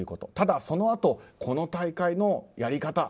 ただ、そのあとこの大会のやり方